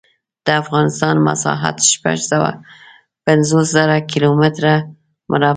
د افغانستان مسحت شپږ سوه پنځوس زره کیلو متره مربع دی.